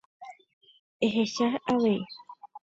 Ehecha avei.